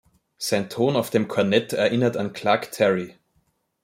Sein Ton auf dem Kornett erinnert an Clark Terry.